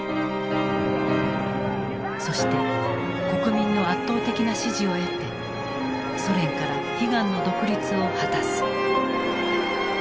そして国民の圧倒的な支持を得てソ連から悲願の独立を果たす。